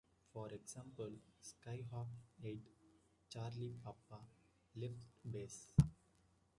For example, "Skyhawk eight-Charlie-Papa, left base".